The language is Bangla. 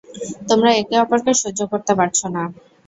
তোমরা একে অপরকে সহ্য করতে পারছ না।